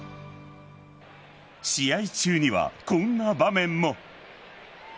試合中には、こんな場面も。